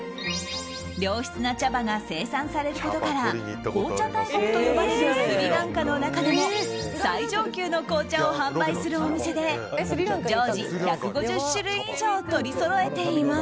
良質な茶葉が生産されることから紅茶大国と呼ばれるスリランカの中でも最上級の紅茶を販売するお店で常時１５０種類以上取りそろえています。